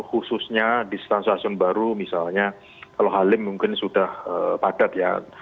khususnya di stasiun stasiun baru misalnya kalau halim mungkin sudah padat ya